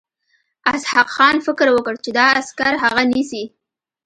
اسحق خان فکر وکړ چې دا عسکر هغه نیسي.